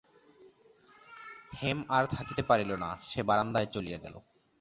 হেম আর থাকিতে পারিল না, সে বারান্দায় চলিয়া গেল।